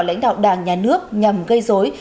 lãnh đạo đảng nhà nước nhằm gây dối